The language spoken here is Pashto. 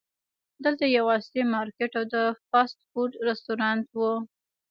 دلته یو عصري مارکیټ او د فاسټ فوډ رسټورانټ و.